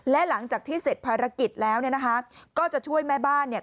และหลังจากที่เสร็จภารกิจแล้วเนี่ยนะคะก็จะช่วยแม่บ้านเนี่ย